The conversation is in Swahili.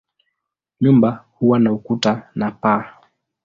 Nyumba huwa na ukuta na paa.